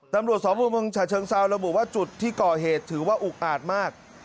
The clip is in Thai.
ตำรวจสพเมืองฉะเชิงเซาระบุว่าจุดที่ก่อเหตุถือว่าอุกอาจมาก